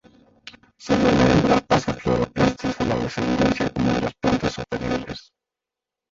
Sólo la hembra pasa cloroplastos a la descendencia, como en las plantas superiores.